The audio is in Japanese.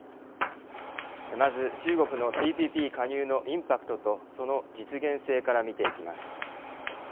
まず、中国のＴＰＰ加入のインパクトとその実現性から見ていきます。